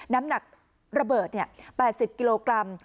น้ำหนักระเบิด๘๐กิโลกรัม